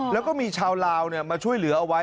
แล้วก็มีชาวลาวมาช่วยเหลือเอาไว้